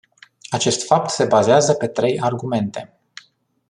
Acest fapt se bazează pe trei argumente.